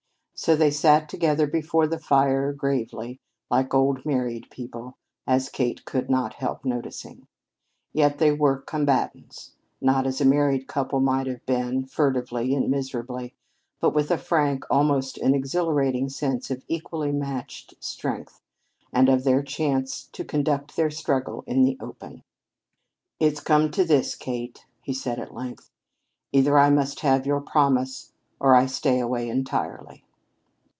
So they sat together before the fire gravely, like old married people, as Kate could not help noticing. Yet they were combatants; not as a married couple might have been, furtively and miserably, but with a frank, almost an exhilarating, sense of equally matched strength, and of their chance to conduct their struggle in the open. "It's come to this, Kate," he said at length. "Either I must have your promise or I stay away entirely."